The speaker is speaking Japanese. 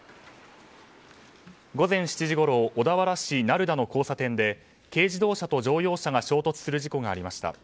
午前７時ごろ小田原市成田の交差点で軽自動車と乗用車が衝突する事故がありました。